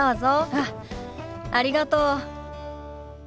あっありがとう。